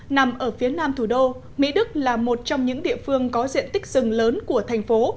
nằm ở phía nam thủ đô mỹ đức là một trong những địa phương có diện tích rừng lớn của thành phố